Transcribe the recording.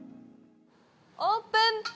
オープン！